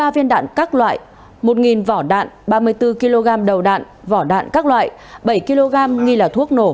ba viên đạn các loại một vỏ đạn ba mươi bốn kg đầu đạn vỏ đạn các loại bảy kg nghi là thuốc nổ